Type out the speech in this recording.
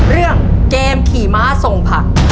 เรื่องเกมขี่ม้าส่งผัก